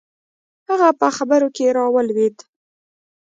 هغه په خبرو کښې راولويد.